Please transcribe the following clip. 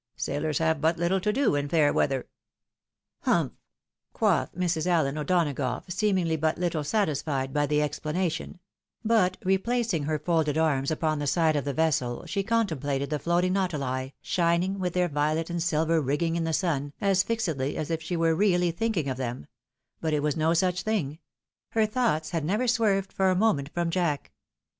Sailors have but little to do in fair weather." " liumph !" quoth Mrs. AUen O'Donagough, seemingly but little satisfied by the explanation ; but replacing her folded arms upon the side of the vessel she contemplated the floating nautili, shining with their violet and silver rigging in the sun, as fixedly as if she were really thinking of them ; but it was no such thing ; her thoughts had never swerved for a moment from Jack.